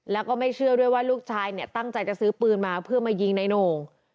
แล้วก็ไม่เชื่อด้วยว่าลูกชายเนี่ยตั้งใจจะซื้อปืนมาเพื่อมายิงนายโหน่ง